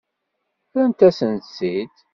Rrant-asent-tt-id.